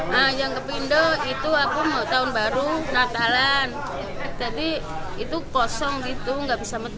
nah yang kepindo itu aku mau tahun baru natalan jadi itu kosong gitu nggak bisa metode